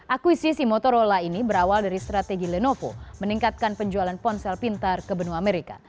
akuisisi motorola ini berawal dari strategi lenovo meningkatkan penjualan ponsel pintar ke benua amerika